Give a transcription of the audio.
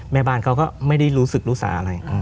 แม่บ้านเขาก็ไม่ได้รู้สึกรู้สาอะไร